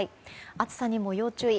暑さにも要注意。